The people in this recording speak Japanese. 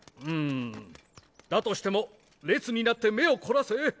うんだとしても列になって目を凝らせ。